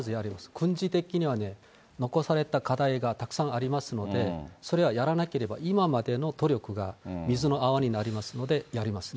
軍事的には残された課題がたくさんありますので、それはやらなければ、今までの努力が水の泡になりますので、やりますね。